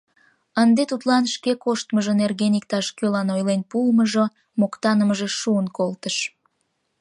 Ынде тудлан шке коштмыжо нерген иктаж-кӧлан ойлен пуымыжо, моктанымыже шуын колтыш.